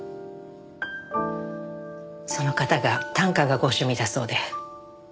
その方が短歌がご趣味だそうで。